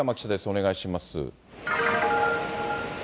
お願いします。